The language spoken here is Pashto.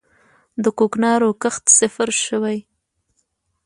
د کوکنارو کښت صفر شوی؟